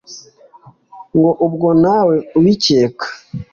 ngo ubwo ntawe ubikeka